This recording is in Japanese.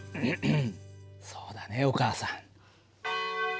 そうだねお母さん。